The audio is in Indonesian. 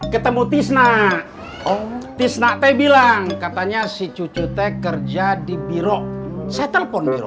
kamu tisnak tisnak teh bilang katanya si cucu teh kerja di biro saya telepon biro